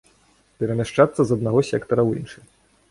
Перамяшчацца з аднаго сектара ў іншы.